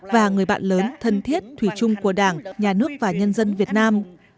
và người bạn lớn thân thiết thủy chung của đảng nhà nước và nhân dân việt nam